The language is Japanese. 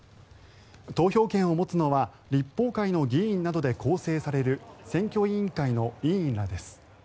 投票権を持つのは立法会の議員などで構成される選挙委員会の委員らです。